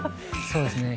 そうですね。